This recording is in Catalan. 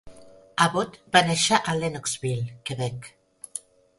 Abbott va néixer a Lennoxville, Quebec.